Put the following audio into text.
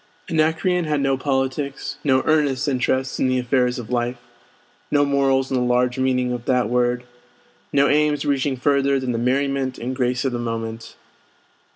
Anacreon had no politics, no earnest interest in the affairs of life, no morals in the large meaning of that word, no aims reaching further than the merriment and grace of the moment.